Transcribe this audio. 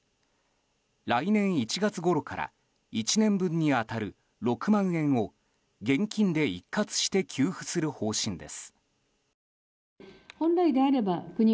来年１月ごろから１年分に当たる６万円を現金で一括して給付する方針です。